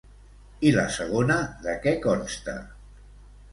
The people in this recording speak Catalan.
I la segona de què consta?